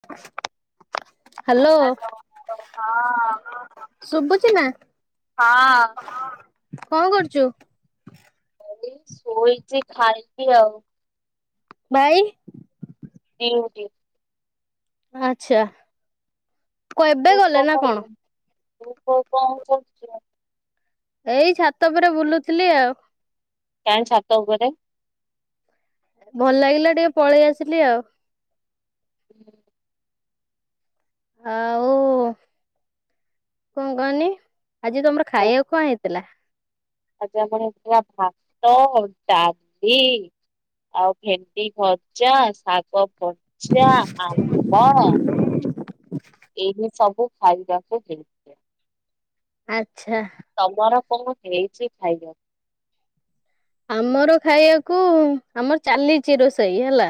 [inaudible] [inaudible] ଶୁଭୁଛିି ନା? ହଁ କଣ କରୁଛୁ? ଶୋଇଛି ଖାଇକି ଆଉ। ଟ ଭାଇ? ଡିଉଟି। ଆଚ୍ଛା। କ ଏବେ ଗଲେ ନା କଣ? [unintelligible] ଏଇ ଛାତ ଉପରେ ବୁଲୁଥିଲି ଆଉ। କାଇଁ ଛାତ ଉପରେ? ଭଲ ଲାଗିଲା ଟିକେ ପଳେଇ ଆସିଲି ଆଉ। ହୁଁ। ଆଉ କଣ କହନି, ଆଜି ତମର ଖାଇବାକୁ କଣ ହେଇ ଥିଲା? ଆଜି ଆମର ହେଇଥିଲା ଭାତ, ଡାଲି ଆଉ ଭେଣ୍ଡି ଭଜା, ଶାଗ [unintelligible] ଆମ୍ବ ଏମିତି ସବୁ ଖାଇବାକୁ ହେ ଆଚ୍ଛା। ତମର କଣ ହେଇଛି ଖାଇବା? ଆମର ଖାଇବାକୁ, ଆମର ଚାଲିଚି ରୋଷେଇ ହେଲା।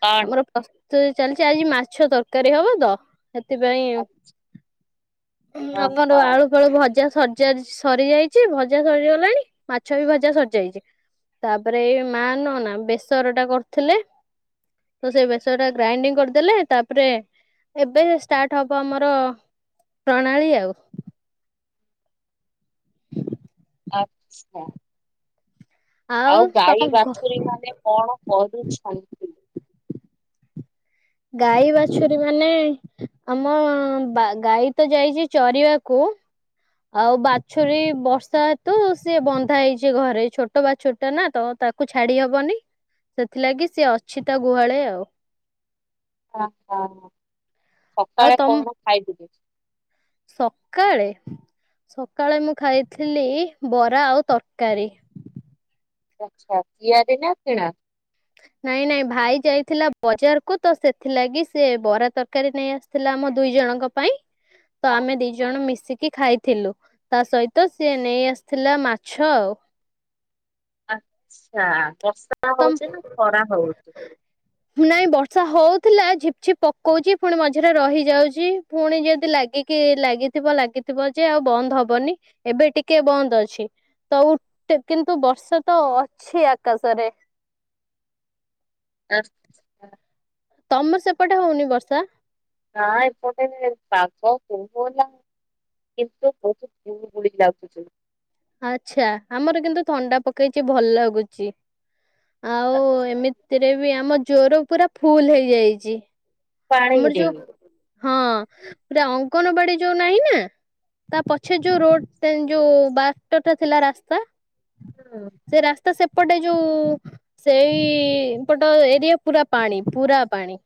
କଣ? ଆମର ପ୍ରସ୍ତୁତି ଚାଲିଚି। ଆଜି ମାଛ ତରକାରୀ ହବ ତ ସେଥିପାଇଁ ହୁଁ ହଁ ଆମର ହଁ ଆଳୁ-ଫାଳୁ ଭଜା ସ ଭଜା ସରିଯାଇଛି ଭଜା ସରିଗଲାଣି ମାଛ ବି ଭଜା ସରି ଯାଇଛି। ତାପରେ ଏଇ ମା ନୁହଁ ନା ବେସର ଟା କରୁଥିଲେ। ତ ସେଇ ବେସର ଟା ଗ୍ରାଇଣ୍ଡିଙ୍ଗ କରିଦେଲେ। ତାପରେ ଏବେ ଷ୍ଟାଟ ହବ ଆମର ପ୍ରଣାଳୀ ଆଉ। [inaudible] ଆଛା। ଆଉ ଗାଈ ତମ ଘ ବାଛୁରୀ ମାନେ କଣ କରୁଛନ୍ତି? ଗାଈ ବାଛୁରୀ ମାନେ ଆମ ବା ଗାଈ ତ ଯାଇଚି ଚରିବାକୁ। ଆଉ ବାଛୁରୀ ବର୍ଷା ହେତୁ ସେ ବନ୍ଧା ହେଇଚି ଘରେ ଛୋଟ ବାଛୁରୀଟା ନା ତ ତା କୁ ଛାଡି ହବନି ସେଥିଲାଗି ସିଏ ଅଛି ତା ଗୁହାଳ ଆଉ। ହା ହା ଆଉ ସକାଳେ ତମ କଣ ଖାଇଥିଲେ? ସକାଳେ ସକାଳେ ମୁଁ ଖାଇଥିଲି ବରା ଆଉ ତରକାରୀ। ଓ ଆଛା ତିଆରି ନା କିଣା? ନାଇଁ ନାଇଁ ଭାଇ ଯାଇଥିଲା ବଜାର କୁ ତ ସେଥିଲାଗି ସିଏ ବରା ତର କାରୀ ନେଇ ଆସିଥିଲା ଆମ ଦୁଇ ଜଣଙ୍କ ପାଇଁ ତ ହଁ। ଆମେ ଦିଇ ଜଣ ମିଶିକି କି ଖାଇଥିଲୁ ତା ସହିତ ସିଏ ନେଇ ଆସିଥିଲା ମାଛ ଆଉ। ଆଛା ବର୍ଷା ତମ ହୋଉଚି ନା ନା ଖରା ହଉଚି ନାଇଁ ବର୍ଷା ହଉଥିଲା ଝିପ୍ ଝିପ୍ ପକଉଚି ଫୁଣି ମଝିରେ ରହିଯାଉଚି। ଫୁଣି ଯଦି ଲାଗିକି ଲାଗିଥିବ ଲାଗିଥିବ ଯେ ଆଉ ବନ୍ଦ ହବନି। ଏବେ ଟିକେ ବନ୍ଦ ଅଛି ତ ଉ କିନ୍ତୁ ବର୍ଷା ତ ଅଛି ଆକାଶରେ। ଆଚ୍ ତମର ସେପଟେ ହଉନି ବର୍ଷା ନା ଏପଟେ ପାଗ କୋହଲା। କିନ୍ତୁ ଭହୁତ କୁହୁଡ଼ି ଯାଚୁଛନ୍ତି। ଆଛା ଆମର କିନ୍ତୁ ଥଣ୍ଡା ପକେଇଚି ଭଲ ଲାଗୁଚି ଆଉ ଏମିତି ସେଥିରେ ବି ଆମ ଜୋର ପୁରା ଫୁଲ ହେଇଯାଇଚି। ଆମର ପାଣିରେ ଯୋଉ ହୁଁ। ହଁ ପୁରା ଅଙ୍ଗନବାଡି ଯୋଉ ନାହିଁ ନା ତା ପଛେ ଯୋଉ ରୋଡ ଟେନ୍ ଯୋଉ ବାଟଟା ଥିଲା ରାସ୍ତା ହୁଁ। ସେ ରାସ୍ତା ସେପଟେ ଯୋଉ ସେଇପଟ ଏରିଆ ପୁରା ପାଣି ପୁରା ପାଣି।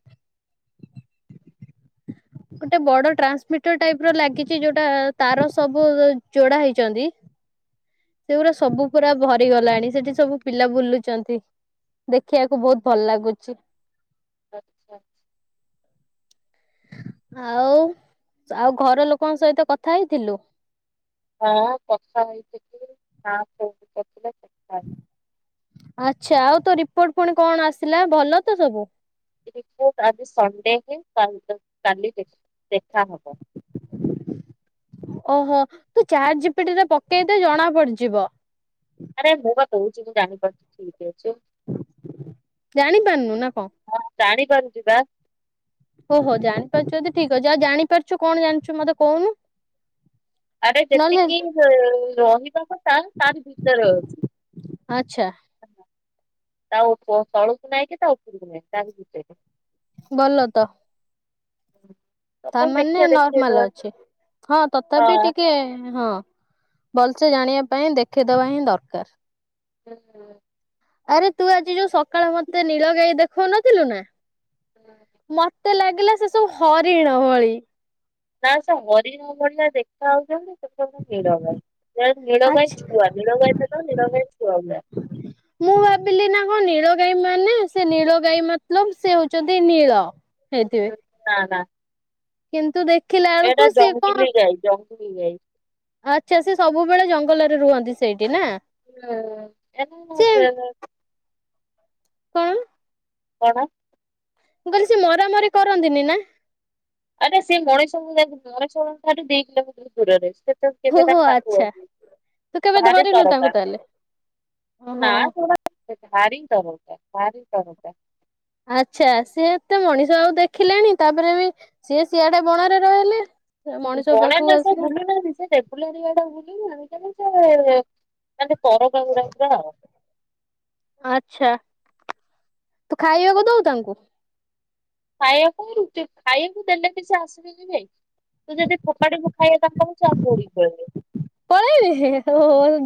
ଗୋଟେ ବଡ ଟ୍ରାନ୍ସମିଟର ଟାଇପ ର ଲାଗିଚି ଯୋଉଟା ତାର ସବୁ ଯୋଡା ହେଇଚନ୍ତି। ସେଉରା ସବୁ ପୁରା ଭରି ଗଲାଣି ସେଠି ସବୁ ପିଲା ବୁଲୁଚନ୍ତି। ଦେଖିଆକୁ ବୋହୁତ୍ ଭଲ ଲାଗୁଚି। ଆଛା। ଆଉ ଆଉ ଘର ଲୋକଙ୍କ ସହିତ କଥା ହେଇଥିଲୁ? ହଁ କଥା ହେଇଥିଲ କି ନା [unintelligible] କରିଥିଲେ। କଥା ଆଛା ଆଉ ତୋ ରିପୋର୍ଟ ପୁଣି କଣ ଆସିଲା ଭଲ ତ ସବୁ ରିପୋର୍ଟ ଆଜି ସଣ୍ଡେ ହିଁ କାଲି ଦେଖ୍ କାଲି ଦେ ଦେଖା ହବ। ଓହୋ ତୁ ଚାଟ୍ ଜିପିଟିରେ ପକେଇଦେ ଜଣା ପଡଯିବ। ଆରେ ମୁଁ ପା କହୁଚି ତୁ ଜାଣିପାରୁଚୁ ଠିକ୍ ଅଛି। ଜାଣି ପାରୁନୁ ନା କଣ? ହଁ ଜାଣିପାରୁଚି ବା। ଓହୋ ଜାଣିପାରୁଚୁ ଯଦି ଠିକ ଅଛି ଆଉ ଜାଣିପାରୁଚୁ କଣ ଜାଣିଚୁ ମତେ କହୁନୁ। ଆରେ ନହେଲେ ଯେତିକି ରହିବା କଥା ତାଠୁ ଭିତରେ ଅଛି। ଆଛା। ତା ଓପୋ ତଳୁକୁ ନାହିଁ କି ତା ଉପରକୁ ନାହିଁ ତାରି ଭିତରେ। ଭଲ ତ। ତା ତଥାପି ମାନେ ଦେଖିବା ଦେଖେଇଦବା ନର୍ମାଲ ଅଛି ହଁ ତଥାପି ହଁ। ଟିକେ ହଁ ଭଲସେ ଜାଣିବା ପାଇଁ ଦେଖେଇଦବା ହିଁ ଦରକାର। ହୁଁ। ଆରେ ତୁ ଆଜି ଯୋଉ ସକାଳେ ମତେ ନୀଳ ଗାଈ ଦେଖାଉନଥିଲୁ ନା। ମତେ ଲାଗିଲା ସେ ସବୁ ହରିଣ ଭଳି। ନା ସେ ହରିଣ ଭଳିଆ ଦେଖା ଯାଉଛନ୍ତି। ନୀଳଗାଇା ଆଚ୍ଛା ନୀଳବାଇ ଛୁଆ ନୀଳଗାଈ ତ ନିଛୁଆ ଗୁଡ଼ା। ମୁଁ ଭାବିଲି ନା କଣ ନୀଳ ଗାଈ ମାନେ ସେ ନୀଳ ଗାଈ ମତଲବ ସେ ହଉଛନ୍ତି ନୀଳ। ହେଇଥିବେ ନା ନା। କିନ୍ତୁ ଦେଖିଲା ଏଟା ବେଳକୁ ସିଏ କଣ ଜଙ୍ଗଲି ଗାଇ ଜଙ୍ଗଲ ଗାଈ। ଆଚ୍ଛା ସେ ସବୁବେଳେ ଜଙ୍ଗଲରେ ରୁହନ୍ତି ସେଇଠି ନା ଏଁ ସେ [unintelligible] କଣ? କଣ? ମୁଁ କହିଲି ସେ ମରାମରି କରନ୍ତିନି ନା। ଆ ରେ ସେ ମଣିଷ ମଣିଷଙ୍କ ଠାରୁ ଦି କିଲୋମିଟର ଦୂରରେ ସେ କେବେ ତା ଓହୋ ପାଖକୁ ଆଚ୍ଛା। ଆସେନି ତୁ କେବେ ଭାରି ଧରିନୁ ତାଙ୍କୁ ତରକା ତାହେଲେ ଓହୋ ନା ସେ ଭାରି ତରକା ଭାରି ତରକା। ଆଚ୍ଛା ସିଏ ଏତେ ମଣିଷ ଆଉ ଦେଖିଲେଣି ତାପରେ ବି ସିଏ ସିଆଡେ ବଣରେ ରହିଲେ। ମଣିଷ ବଣା ପାଖକୁ ଟା ତ ଆସିଲେ ବୁଲୁ ଚନ୍ତି ସେ ଦେ ବୁଲାରିଆଟା ବୁଲିୁ [unintelligible] ତରକା ଗୁଡା ଆଉ। ଆଛା ତୁ ଖାଇବାକୁ ଦଉ ତାଙ୍କୁ ଖାଇବାକୁୁ ହିଁ ରୁଟି ଖାଇବାକୁ ଦେଲେ କିଛି ଆସିବେନି ନାଇଁ ତୁ ଯଦି ପୋପାଡିକୁୁ ଖାଇବା ତାଙ୍କ ପାଖକୁ ସେ ଆହୁରି ଦୌଉଡି କି ପଳେଇ ବେ। ପଳେଇବେ ହେ ଓ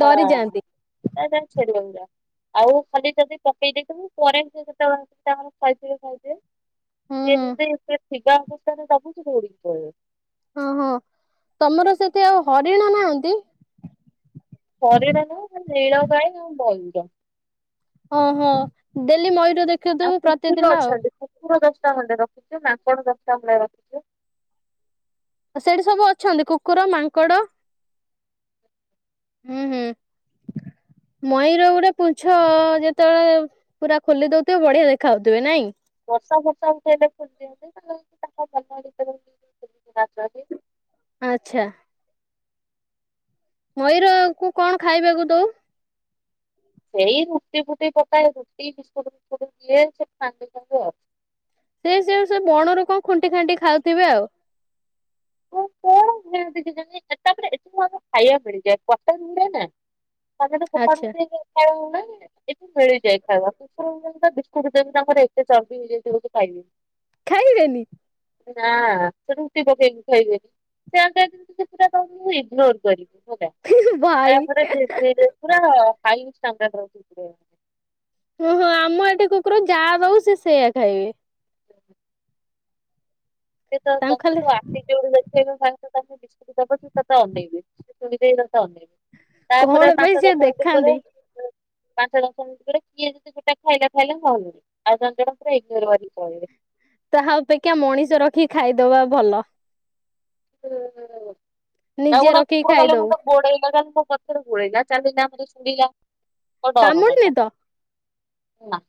ଡରିଯାଆନ୍ତି। [unintelligible] ଆଉ ଖାଲି ଯଦି ପକେଇ ଦେଇ ଥିବି ମୁ ପରେ ତାର ଖା ଇଥିବେ ଖାଇଥିବେ। ହୁଁ କିଏ ହୁଁ ଯଦି ସେ ଥିବା ଅବସ୍ଥାରେ ଡ଼ାକୁଚି ଦୌଡ଼ିକି ପଳେଇବ। ଓହ ତମର ସେଠି ଆଉ ହରିଣ ନାହାନ୍ତି? ହରିଣ ନାଇ ନୀଳ ଗାଇ ଆଉ ମୟୂର। ଓ ହ ଡେଲି ମୟୂର ଆଉ ଦେଖୁଥିବୁ କୁକୁର ପ୍ରତିଦିନ ଆଉ। ଅଛନ୍ତି କୁକୁର ଦଶଟା ଖଣ୍ଡେ ରଖିଛୁ ମାଙ୍କଡ ଦଶଟା ଖଣ୍ଡେ ରଖିଛୁ। ଆଉ ସେଠି ସବୁ ଅଛନ୍ତି କୁକୁର ମାଙ୍କଡ। ହୁଁ ହୁଁ ମୟୂର ଗୁଡ଼େ ପୁଛ ଯେତେବେଳେ ପୁରା ଖୋଲି ଦଉଥିବେ ବଢିଆ ଦେଖା ଯାଉଥିବେ ନାଇଁ। ବର୍ଷା ଫର୍ଷା ଉଠେଇଲେ ଖୁସି ହୁଅନ୍ତି ନହେଲେ ତାଙ୍କ ମନ ଭିତରେ ନାଚନ୍ତି। ଆଛା। ମୟୂର କୁ କଣ ଖାଇବାକୁ ଦଉ? ସେଇ ରୁଟି ଫୁଟି ପକାଏ ରୁଟି ବିସ୍କୁଟ ଫିସ୍କୁଟ ଦିଏ ସେ ଖାଆନ୍ତି ସବୁ ଆଉ। ସେ ସେ ସେ ବଣରୁ କଣ ଖୁଣ୍ଟି ଖାଣ୍ଟି ଖାଉଥିବେ ଆଉ। ପରେ [unintelligible] ଆଚ୍ଛା [unintelligible] ଏଠି ମିଳିଯାଏ ଖାଇବା କୁକୁରଙ୍କ ପାଇଁକା ବିସ୍କୁଟ୍ ଯମି ଆମର ଏତେ ଚର୍ବି ହେଇଯାଇଚି [unintelligible] ଖାଇବେନି? ନା ସେ ରୁଟି ପକେଇନି ଖାଇବେନି। ସେ ସେ ଯେମିତି କୁକୁରଟା ମୁଁ ଇଗ୍ନୋର୍ କରିବି ହେଲା, ଭାଇ ତାପରେ ଧୀରେ ଧୀରେ ପୁରା ହାଇଷ୍ଟାଣ୍ଡାଡ ର କୁକୁର। ଅଁ, ହଁ ଆମ ଏଠି କୁକୁର ଯା ଦବୁ ସେ ସେଇଆ ଖାଇବେ। ସେ ତ ତୋମ ତାଙ୍କୁ ଖାଲି କୁକୁର ଆଖି ଯୋଉ ଦେଖେଇବେ ସାଙ୍ଗେ ସାଙ୍ଗେ ତାଙ୍କୁ ବିସ୍କୁଟ୍ ଦବକି ତୋତେ ଅନେଇବେ। ଶୁଣି ଦେଇେ ତୋତେ ଅନେଇବେ, କଣ ତାପରେ ପାଇଁ ପାଞ୍ଚ ସିଏ ଦଶ ମିନିଟ ଦେଖାନ୍ତି ପରେ [inaudible] ପାଞ୍ଚ ଦଶ ମିନିଟ୍ ପରେ କିଏ ଯଦି ଗୋଟେ ଖାଇଲା ଖାଇଲା ନହେଲେ ନାଇଁ, ଆଉ ଜଣେ ଜଣେ ପୁରା ଇଗ୍ନୋର ମାରି ପଳେଇବେ। ତାହା ଅପେକ୍ଷା ମଣିଷ ରଖି ଖାଇଦବା ଭଲ। ହଁ, ନା ଆଉ ନିଜେ ଗୋଟେ ରଖିକି କୁକୁର କାଲି ଖାଇଦଉ। ମୋତେ ଗୋଡେଇଲା କାଲି ମୋ ପ ମୋତେ ଗୁଡେଇଲା ଚାଲିନା ମୋତେ ସୁଙ୍ଘିଲା କାମୁଡିନି [unintelligible] ନା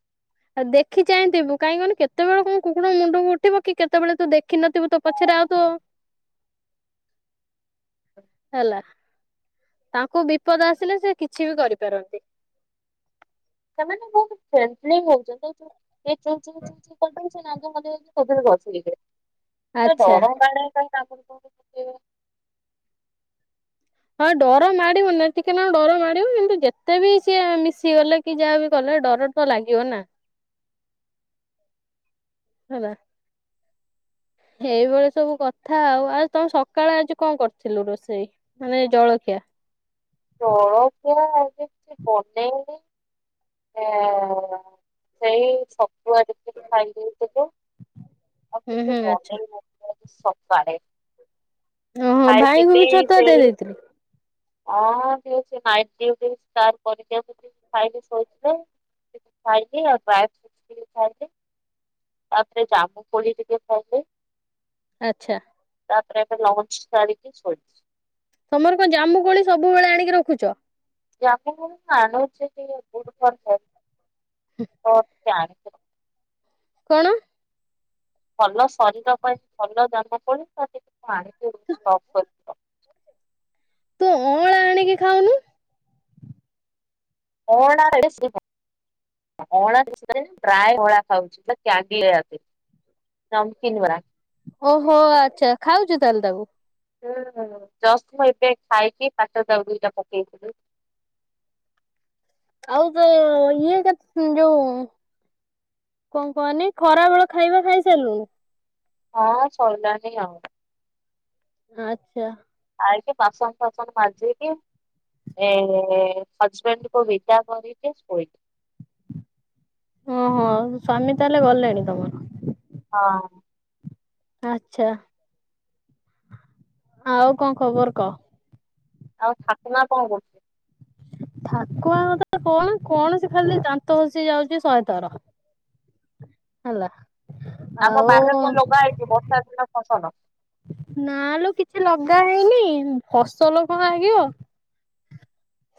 ଆ, ଦେଖି ଚାହିଁଥିବୁ, କାହିଁକି କହନି କେତେବେଳେ କୋଉ କୁକୁଡ ମୁଣ୍ଡକୁ ଉଠିବ କି କେତବେଳେ ତୁ ଦେଖିନଥିବୁ ତୋ ପ ଛରେ ଆଉତୁଅ ହେଲା। ତାଙ୍କୁ ବିପଦ ଆସିଲେ ସେ କିଛି ବି କରିପାରନ୍ତି। ସେମାନେ ବହୁତ [unintelligible] ସେ ନାଞ୍ଜ ହଲେଇ ହଲେଇକି ତୋ ଦେହରେ ଘଷିଯିବେ। ଏ ଆଚ୍ଛା ଡର ମାଡେ କାହିଁ ତା [inaudible] ହଁ ଡର ମାଡିବୁନି ନା ଟିକେ ନା ଡର ମାଡିବ, କିନ୍ତୁ ଯେତେ ବି ସିଏ ମିଶିଗଲେ କି ଯାହା ବିି କଲେ ଡର ତ ଲାଗିବ ନା ହେଲା। ହେଇଭଳିଆ ସବୁ କଥା ଆଉ, ଆଉ ତୋମେ ସକାଳେ ଆଜି କଣ କରିଥିଲୁ ରୋଷେଇ? ମାନେ ଜଳଖିଆ? ଜଳଖିଆ ଆଜି କିଛି ବନେଇନି, ଏ ହଁ ସେଇ ଛତୁଆ [inaudible] ଯେ ଖାଇଦେଇ ଟିକେ ଆଉ ହୁଁ କିଛି ହୁଁ ଆଚ୍ଛା ବନେଇନି [inaudible] ସକାଳେ। ଓହୋ ଭାଇଙ୍କୁ ଖାଇଥିଲି ବି ଛତୁଆ ଦେଇ ସେଇ ଦେଇଥିଲି ଆ, କିଛି ନାଇଟ୍ ଡିଉଟିରୁ ସ୍ପାର କରିକି ଆସିଥିଲି, ଖାଇକି ଶୋଇଥିଲେ। ଖଇକି ଆଉ ଡ୍ରାଏଫୃଟ୍ସ [inaudible] ଖାଇଲି। ତାପରେ ଜାମୁକୋଳି ଟିକେ ଖାଇଲେ। ଆଚ୍ଛା। ତାପରେ ଏବେ ଲଞ୍ଚ କରିକି ଶୋଇଛି। ତୋମର କଣ ଜାମୁକୋଳି ସବୁବେଳେ ଆଣିକି ରଖୁଛ? ଜାମୁକୋଳି ଆଣୁଛିକି [inaudible] ଜାଣି କଣ? ଭଲ ଶରୀର ପାଇଁ ଭଲ ଜାମକୋଳି ତ [inaudible] ଆଣିିକି ଷ୍ଟକ୍ କରିକି ର ତୁ ଅଁଳା ଆଣିକି ଖାଉନୁ। ଅଁଳା ରେ [inaudible] ଅଁଳା [inaudible] ଡ୍ରାଏ ଅଁଳା ଖାଉଛି ସେ [unintelligible] ନମକିନ୍ ବରା। ଓହୋ! ଆଚ୍ଛା ଖାଉଛୁ ତାହେଲେ ତାକୁ? ଜଷ୍ଟ ମୁଁ ଏବେ ଖାଇକି ପାଟିରେ ତାକୁ ଦିଟା ପକେଇଥିଲି। ଆଉ ଯେ ଇଏ କରଛି ଯୋଉ କଣ କହନି ଖରାବେଳ ଖାଇବା ଖାଇ ସାରଲୁଣି? ହଁ ସଇଲାଣିି ଆଉ। ଆଚ୍ଛା। ଖାଇକି ବାସନ ଫାସନ ମାଜିକି ଏ ହଜ୍ ବେଣ୍ଡ କୁ ବିଦା କରିବି ଶୋଇ ହଁ ହଁ ସ୍ୱାମୀ ତାହେଲେ ଗଲେଣି ତମର? ହଁ। ଆଚ୍ଛା, ଆଉ କଣ ଖବର କହ? ଆଉ ଶାଶୁମା କଣ କରୁ ଠାକୁଆଙ୍କ କଣ କଣ ସେ ଖାଲି ଦାନ୍ତ ଘସି ଯାଉଛି ଶହେଥର ହେଲା। ଆମ ଆଉ ବାାରିରେ କଣ ଲଗା ହେଇଛି ବର୍ଷା ଦିନ ଫସଲ? ନା ଲୋ କିଛି ଲଗା ହେଇନି, ଫସଲ କଣ ଲାଗିବ।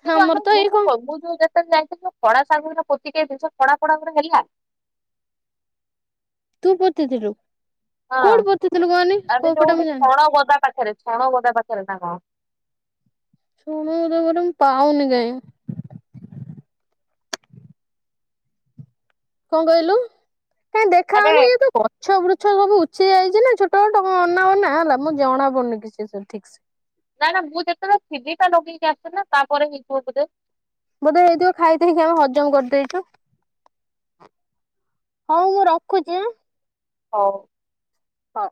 କିନ୍ତୁ ଆମର ଆମେ ତ ମୁଁ ଏଇ କଣ ଯୋଉ ମୁଁ ଯୋଉ ଯେତେବେଳେ ଯାଇଥିଲୁ ଖଡ଼ା ଶାଗଉରା ପୋତିକି ଜିନିଷ ଖଡ଼ା ଖଡ଼ା ଗୁରା ହେଲା ତୁ ପୋତି ଥିଲୁ? ହଁ, ଆରେ ଯୋଉ ପଟେ ମୁଁ ଗୋଟେ ଜାଣିନି ଛଣ ଗଦା ପାଖରେ ଛଣ ଗଦା ପାଖରେ ନା କଣ? ଛଣ ଗଦା ପାଖରେ ମୁଁ ପାଉନି କାହିଁ। କଣ କହିଲୁ, କାଇଁ ଦେଖା ଆରେ ଯାଉନି ଇଏ [unintelligible] ଗଛ ବୃଛ ସବୁ ଉଛିି ଯାଇଛି ନା ଛୋଟ ଛୋଟ ଟ ଅନା ବନା ହେଲା ମୁଁ ଜଣା ପଡୁନି କିଛି ସବୁ ଠିକ୍ ସେ ନାଇଁ ନା ମୁଁ ଯେତେବେଳେ ଥିବି ତା ଲଗେଇକି ଆସୁ ନା ତାପରେ ହେଇଥିବ ବୋଧେ। ବୋଧେ ହେଇଥିବ ଖାଇଦେଇକି ଆମେ ହଜମ କରିଦେଇଚୁ। ହଉ ମୁଁ ରଖୁଛି ଆଁ ହଉ। ହଁ।